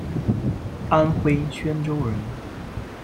安徽宣州人。